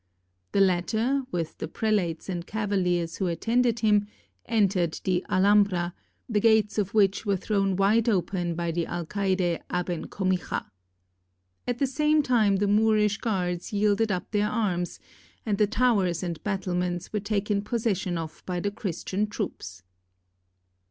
The latter, with the prelates and cavaliers who attended him, entered the Alhambra, the gates of which were thrown wide open by the alcayde Aben Comixa. At the same time the Moorish guards yielded up their arms, and the towers and battlements were taken pos session of by the Christian troops.